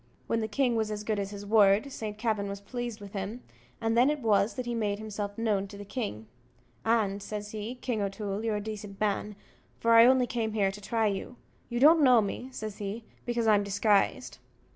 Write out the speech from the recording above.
When the king was as good as his word, Saint Kavin was pleased with him, and then it was that he made himself known to the king. "And," says he, "King O'Toole, you're a decent man, for I only came here to try you. You don't know me," says he, "because I'm disguised."